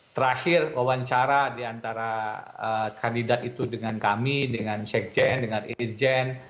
terakhir wawancara diantara kandidat itu dengan kami dengan sekjen dengan irjen